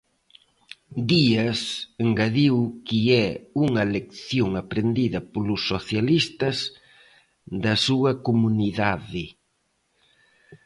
Díaz engadiu que é unha lección aprendida polos socialistas da súa comunidade.